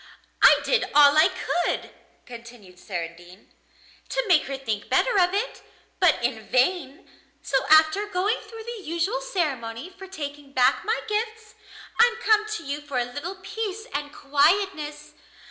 I did all I could,' continued Saradine, 'to make her think better of it, but in vain; so after going through the usual ceremony for taking back my gifts, I'm come to you for a little peace and quietness.